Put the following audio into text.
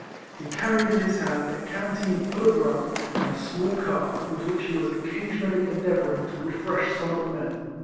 He carried in his hand a canteen full of rum, and a small cup, with which he was occasionally endeavour ing to refresh some of the men.